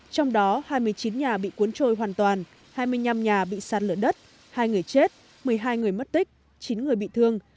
trong đó hai mươi chín nhà bị cuốn trôi hoàn toàn hai mươi năm nhà bị sạt lửa đất hai người chết một mươi hai người mất tích chín người bị thương